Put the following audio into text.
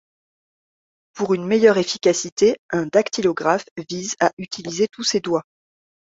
Pour une meilleure efficacité, un dactylographe vise à utiliser tous ses doigts.